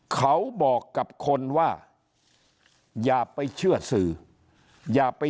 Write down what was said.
เขาบอกกับคนว่า